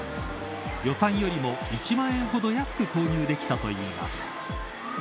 予算よりも１万円ほど安く購入できたといいます。